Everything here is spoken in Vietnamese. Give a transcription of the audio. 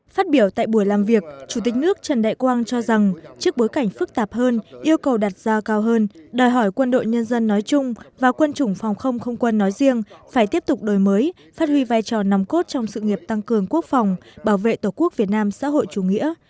phát biểu tại buổi làm việc chủ tịch nước trần đại quang cho rằng trước bối cảnh phức tạp hơn yêu cầu đặt ra cao hơn đòi hỏi quân đội nhân dân nói chung và quân chủng phòng không không quân nói riêng phải tiếp tục đổi mới phát huy vai trò nằm cốt trong sự nghiệp tăng cường quốc phòng bảo vệ tổ quốc việt nam xã hội chủ nghĩa